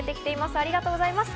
ありがとうございます。